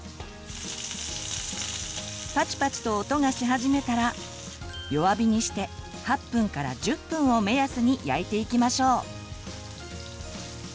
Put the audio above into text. パチパチと音がし始めたら弱火にして８分１０分を目安に焼いていきましょう。